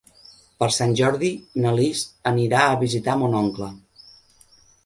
Per Sant Jordi na Lis anirà a visitar mon oncle.